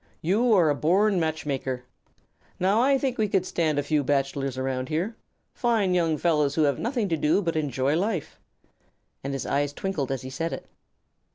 You are a born matchmaker. Now I think we could stand a few bachelors around here, fine young fellows who have nothing to do but enjoy life." And his eyes twinkled as he said it.